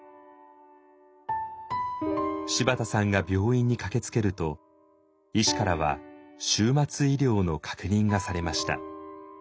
柴田さんが病院に駆けつけると医師からは終末医療の確認がされました。